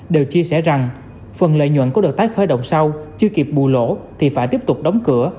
đều chia sẻ rằng phần lợi nhuận của đợt tái khởi động sau chưa kịp bù lỗ thì phải tiếp tục đóng cửa